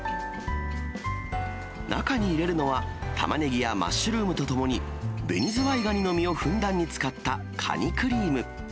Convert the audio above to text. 中に入れるのは、タマネギやマッシュルームとともに、ベニズワイガニの身をふんだんに使ったカニクリーム。